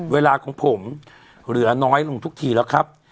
เวลาของผมเหลือน้อยลงทุกทีแล้วครับ